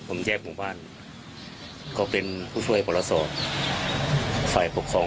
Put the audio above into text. ผมแยกหมู่บ้านเขาเป็นผู้ช่วยปรสอบฝ่ายปกครอง